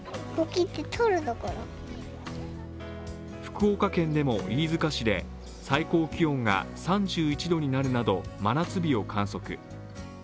福岡県でも飯塚市で最高気温が３１度になるなど、真夏日を観測。